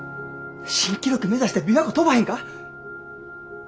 新記録目指して琵琶湖飛ばへんか？